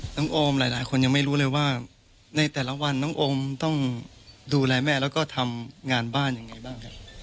โอมหลายคนยังไม่รู้เลยว่าในแต่ละวันน้องโอมต้องดูแลแม่แล้วก็ทำงานบ้านยังไงบ้างครับ